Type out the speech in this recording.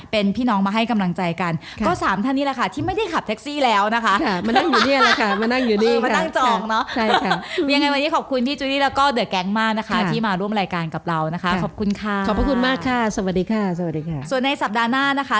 เป็นอย่างไรต้องขอบคุณพี่จุลี่มากนะคะ